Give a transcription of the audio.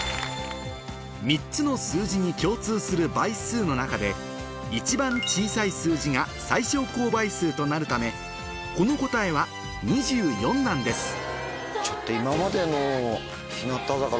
３つの数字に共通する倍数の中で一番小さい数字が最小公倍数となるためこの答えは「２４」なんですちょっと。